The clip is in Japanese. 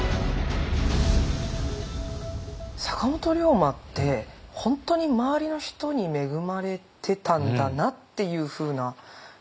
坂本龍馬って本当に周りの人に恵まれてたんだなっていうふうな気持ちになりましたね。